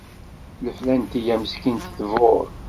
Leflantiyya meskint tbur.